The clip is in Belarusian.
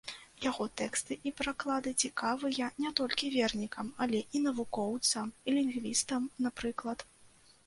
Яго тэксты і пераклады цікавыя не толькі вернікам, але і навукоўцам, лінгвістам, напрыклад.